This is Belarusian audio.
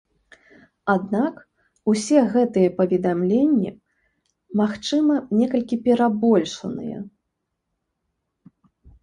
Аднак усе гэтыя паведамленні, магчыма, некалькі перабольшаныя.